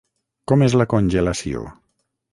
Com és la congelació?